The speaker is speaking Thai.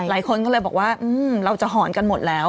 หลายคนก็เลยบอกว่าเราจะหอนกันหมดแล้ว